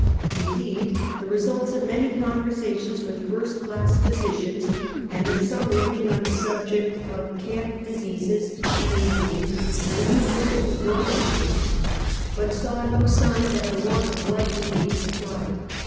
Indeed, the results of many conversations with first class plij^sieians, and of some reading on the subject of camp diseases, came to me; and I knew just what was wanted here, but saw no sign that the want was likely to be supplied.